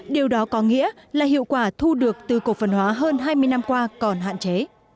điều đó có nghĩa là hiệu quả thu được từ cổ phần hóa hơn hai mươi năm qua còn hạn chế